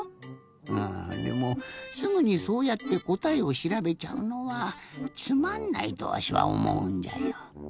あぁでもすぐにそうやってこたえをしらべちゃうのはつまんないとわしはおもうんじゃよ。